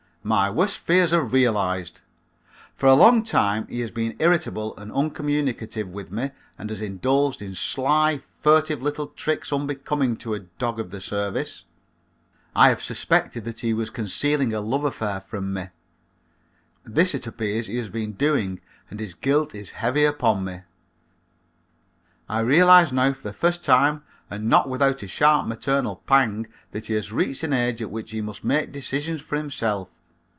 My worst fears are realized. For a long time he has been irritable and uncommunicative with me and has indulged in sly, furtive little tricks unbecoming to a dog of the service. I have suspected that he was concealing a love affair from me. This it appears he has been doing and his guilt is heavy upon him. I realize now for the first time and not without a sharp maternal pang that he has reached an age at which he must make decisions for himself.